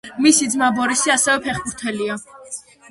მისი ძმა, ბორისი, ასევე ფეხბურთელია.